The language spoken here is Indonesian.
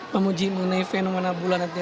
pak muji mengenai fenomena bulan